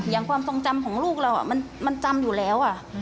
ความทรงจำของลูกเรามันจำอยู่แล้ว